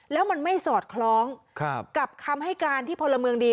แล้วมันไม่สอดคล้องกับคำให้การที่พลเมืองดี